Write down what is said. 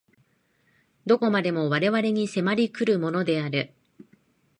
何処までも我々に迫り来るものである。